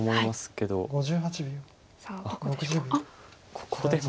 ここでも。